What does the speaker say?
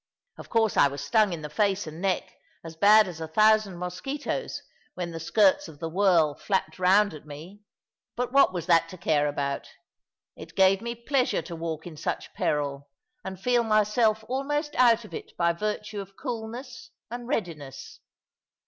Of course I was stung in the face and neck as bad as a thousand musquitoes when the skirts of the whirl flapped round at me, but what was that to care about? It gave me pleasure to walk in such peril, and feel myself almost out of it by virtue of coolness and readiness.